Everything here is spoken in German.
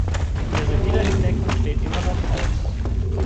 Ihre Wiederentdeckung steht immer noch aus.